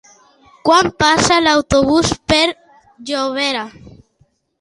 Quan passa l'autobús per Llobera?